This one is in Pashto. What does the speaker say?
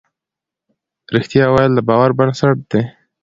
رښتيا ويل د باور بنسټ دی.